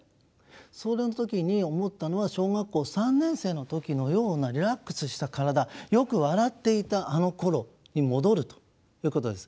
その時に思ったのは小学校３年生の時のようなリラックスした体よく笑っていたあのころに戻るということです。